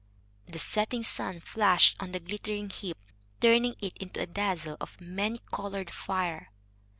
The setting sun flashed on the glittering heap, turning it into a dazzle of many colored fire.